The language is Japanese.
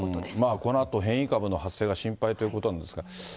このあと変異株の発生が心配ということなんですが。